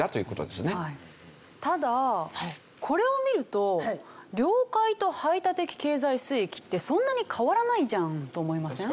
ただこれを見ると領海と排他的経済水域ってそんなに変わらないじゃん。と思いません？